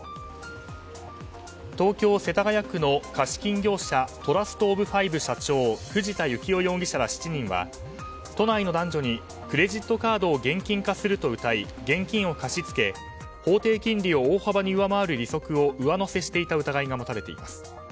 東京・世田谷区の貸金業者トラストオブファイブ社長藤田幸夫容疑者ら７人は都内の男女にクレジットカードを現金化するとうたい現金を貸し付け法定金利を大幅に上回る利息を上乗せしていた疑いが持たれています。